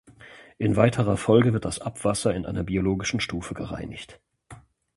In weiterer Folge wird das Abwasser in einer biologischen Stufe gereinigt.